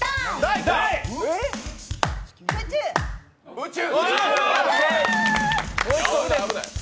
宇宙。